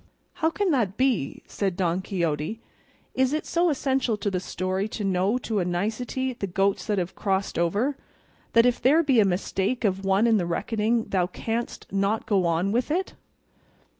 "How can that be?" said Don Quixote; "is it so essential to the story to know to a nicety the goats that have crossed over, that if there be a mistake of one in the reckoning, thou canst not go on with it?"